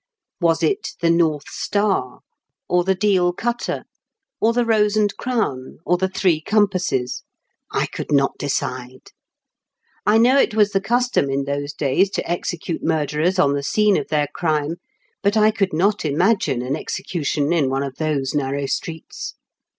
Was it The North Star, or The Deal Cutter, or The Eose and Crown, or The Three Compasses ? I could not decide. I know it was the custom in those days to execute murderers on the scene of their crime, but I could not imagine an execution in one of those narrow streets.